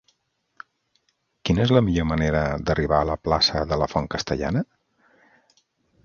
Quina és la millor manera d'arribar a la plaça de la Font Castellana?